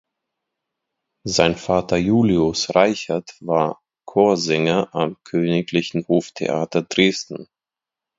Sein Vater Julius Reichert war Chorsänger am Königlichen Hoftheater Dresden.